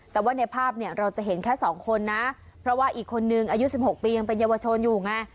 แต่ว่าในภาพเนี่ยเราจะเห็นแค่สองคนนะเพราะว่าอีกคนนึงอายุ๑๖ปียังเป็นเยาวชนอยู่ไง